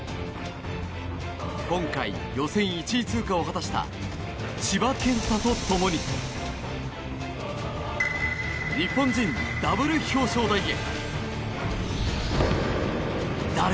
今回、予選１位通過を果たした千葉健太と共に日本人ダブル表彰台へ。